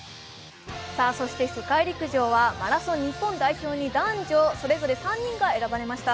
世界陸上はマラソン日本代表に男女それぞれ３人が選ばれました。